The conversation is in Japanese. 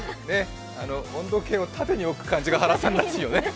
温度計を縦に置く感じが原さんらしいよね。